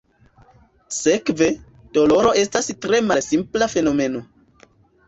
Sekve, doloro estas tre malsimpla fenomeno.